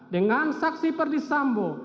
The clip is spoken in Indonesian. dengan saksi perdisambo